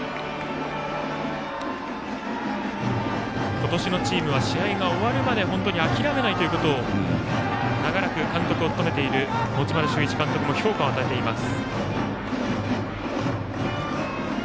今年のチームは試合が終わるまで本当に諦めないということを長らく監督を務めている持丸修一監督も評価を与えています。